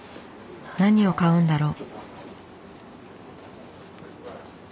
何を買うんだろう？